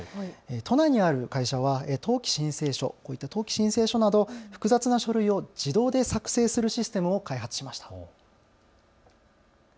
都内にある会社は登記申請書、こういった登記申請書など複雑な書類を自動的に作成するシステムを開発しました。